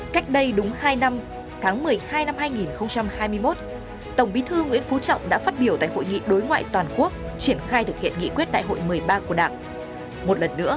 cách đây đúng hai năm tháng một mươi hai năm hai nghìn hai mươi một tổng bí thư nguyễn phú trọng đã phát biểu tại hội nghị đối ngoại toàn quốc triển khai thực hiện nghị quốc tế